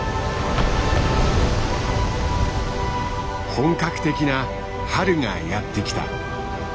本格的な春がやってきた。